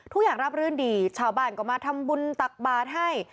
รับรื่นดีชาวบ้านก็มาทำบุญตักบาทให้